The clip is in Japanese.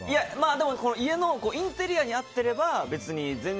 でも家のインテリアに合ってれば別に全然。